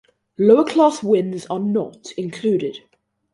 Lower class wins are not included.